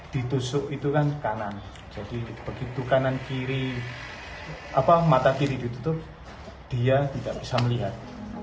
ditusuk itu kan kanan jadi begitu kanan kiri mata kiri ditutup dia tidak bisa melihat